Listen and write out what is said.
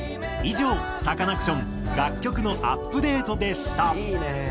以上サカナクション楽曲のアップデートでした。